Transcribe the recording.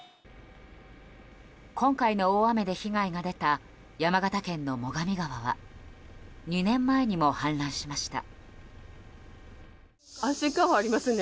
今回の大雨で被害が出た山形県の最上川は２年前にも氾濫しました。